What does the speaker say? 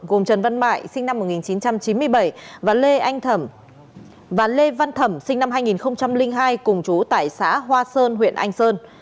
gồm trần văn mại sinh năm một nghìn chín trăm chín mươi bảy và lê văn thẩm sinh năm hai nghìn hai cùng chú tại xã hoa sơn huyện anh sơn